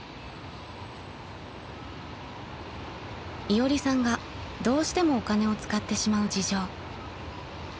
［いおりさんがどうしてもお金を使ってしまう事情］